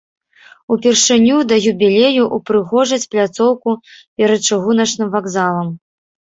Упершыню да юбілею ўпрыгожаць пляцоўку перад чыгуначным вакзалам.